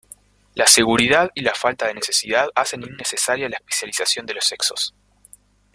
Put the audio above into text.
La seguridad y la falta de necesidad hacen innecesaria la especialización de los sexos.